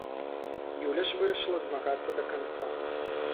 Юля ж вырашыла змагацца да канца.